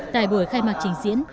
tại buổi khai mạc trình diễn